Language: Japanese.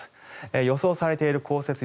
予想されている降雪量